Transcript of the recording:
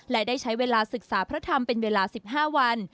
และได้ใช้เวลาศึกษาพระธรรมเป็นเวลา๑๕วัน